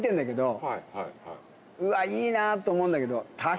「うわ。いいな」と思うんだけど。